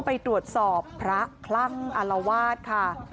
ไปตรวจสอบพระคลั่งอารวาสค่ะ